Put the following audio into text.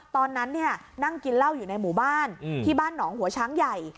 ตอนนั้นนั่งกินเหล้าอยู่ในหมู่บ้านที่บ้านหนองหัวช้างใหญ่